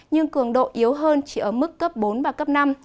nhưng cường độ yếu hơn chỉ ở mức cấp bốn và cấp năm